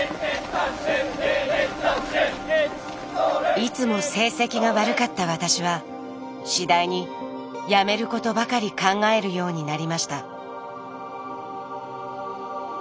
いつも成績が悪かった私は次第に辞めることばかり考えるようになりました。